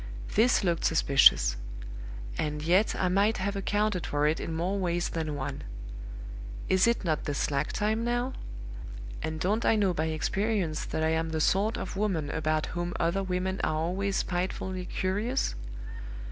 This looked suspicious; and yet I might have accounted for it in more ways than one. Is it not the slack time now? and don't I know by experience that I am the sort of woman about whom other women are always spitefully curious?